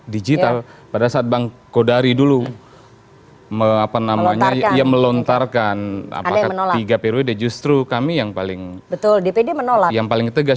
di jgk pada saat bank kodari dulu melontarkan tiga periode justru kami yang paling tegas